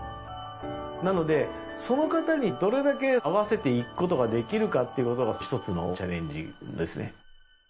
なのでその方にどれだけ合わせていくことができるかっていうことが一つのチャレンジですね。